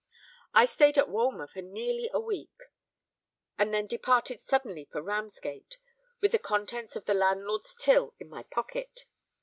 I stayed at Walmer for nearly a week; and then departed suddenly for Ramsgate, with the contents of the landlord's till in my pocket.